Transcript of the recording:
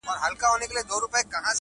• ځکه لا هم پاته څو تڼۍ پر ګرېوانه لرم,